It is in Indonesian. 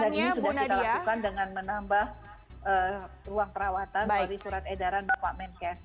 dan ini sudah kita lakukan dengan menambah ruang perawatan dari surat edaran depok menkes